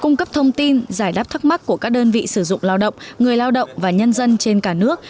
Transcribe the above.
giải đáp thắc mắc của các đơn vị sử dụng lao động người lao động và nhân dân trên cả nước